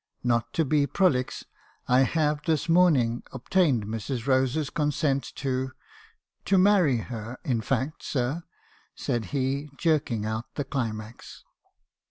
Not to be prolix , I have this morning ob tained Mrs. Rose's consent to — to marry her, in fact, sir I' said he, jerking out the climax.